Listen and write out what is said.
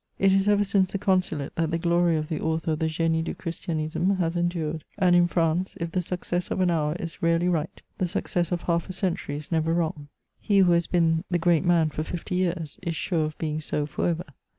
It is ever since the Consulate that the glory of the author of the G^nie du Chrigtianisme has endured ; and, in France, if the success of an hour is rarely right, the success of half a century is never wrong. He who has been the great man for fifty years, is sure of being so for ever.